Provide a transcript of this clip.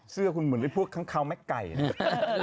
เสื้อคุณเหมือนให้พวกข้างเขาแม็กไก่เนี่ย